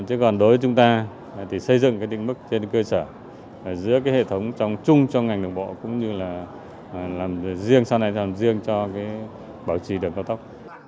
chứ còn đối với chúng ta thì xây dựng cái đỉnh mức trên cơ sở giữa cái hệ thống chung trong ngành đường bộ cũng như là làm riêng sau này làm riêng cho cái bảo trì đường cao tốc